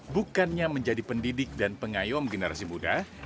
bukannya menjadi pendidik dan pengayom generasi muda